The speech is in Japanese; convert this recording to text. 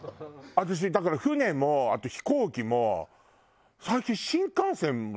私だから船もあと飛行機も最近新幹線もちょっと怖い。